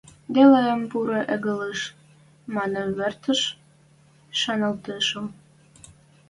«Делаэм пуры агылыш», – манын, выртеш шаналтышым.